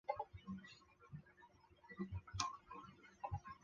截萼忍冬为忍冬科忍冬属下的一个种。